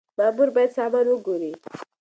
مامور بايد سامان وګوري.